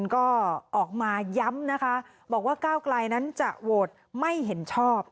ก็ออกมาย้ำนะคะบอกว่าก้าวไกลนั้นจะโหวตไม่เห็นชอบ